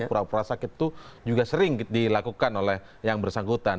pura pura sakit itu juga sering dilakukan oleh yang bersangkutan